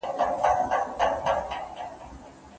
که ته په املا کي د جملو په مانا پوه سې.